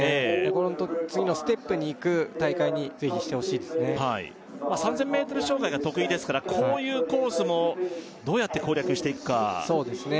これホント次のステップにいく大会に是非してほしいですね３０００ｍ障害が得意ですからこういうコースもどうやって攻略していくかそうですね